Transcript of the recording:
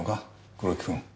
黒木君。